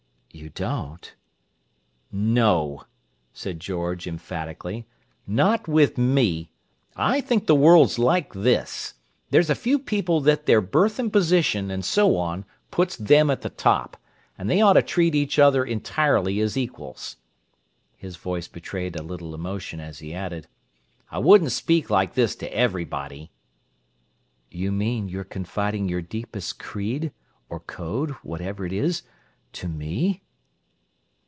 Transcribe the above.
"You don't?" "No," said George emphatically. "Not with me! I think the world's like this: there's a few people that their birth and position, and so on, puts them at the top, and they ought to treat each other entirely as equals." His voice betrayed a little emotion as he added, "I wouldn't speak like this to everybody." "You mean you're confiding your deepest creed—or code, whatever it is—to me?"